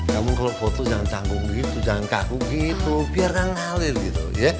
kamu kalau foto jangan canggung gitu jangan kagu gitu biar ngalir gitu ya